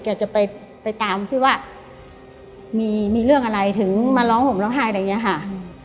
แกจะไปตามที่ว่ามีเรื่องอะไรถึงมาร้องห่มร้องไห้แบบนี้ค่ะ